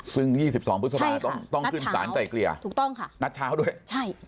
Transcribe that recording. ซึ่ง๒๒พฤษภาต้องขึ้นสารไก่เกลี่ยนัดเช้าด้วยใช่ค่ะนัดเช้า